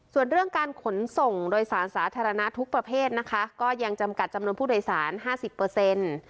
ส่วนเรื่องการขนส่งโดยสารสาธารณะทุกประเภทนะคะก็ยังจำกัดจำนวนผู้โดยสารห้าสิบเปอร์เซ็นต์